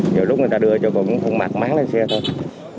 nhiều lúc người ta đưa cho con mặt máng lên xe thôi